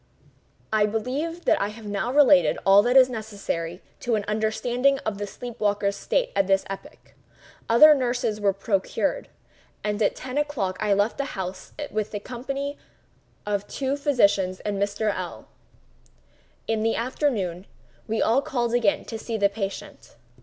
I believe that I have now related all that is necessary to an understanding of the sleep waker's state at this epoch. Other nurses were procured; and at ten o'clock I left the house in company with the two physicians and Mr. L—l. In the afternoon we all called again to see the patient.